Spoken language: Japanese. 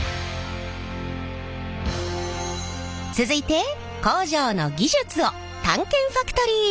続いて工場の技術を探検ファクトリー！